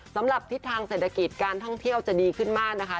สำหรับทิศทางเศรษฐกิจการท่องเที่ยวจะดีขึ้นมากนะคะ